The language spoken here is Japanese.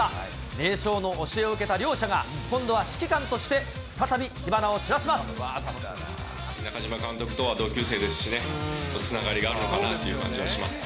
名将の教えを受けた両者が、今度は指揮官として再び火花を散中嶋監督とは同級生ですしね、つながりがあるのかなという感じがします。